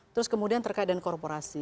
terus kemudian terkait dengan korporasi